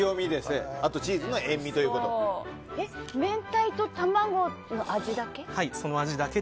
明太と卵の味だけ？